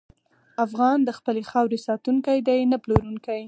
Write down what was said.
افغان د خپلې خاورې ساتونکی دی، نه پلورونکی.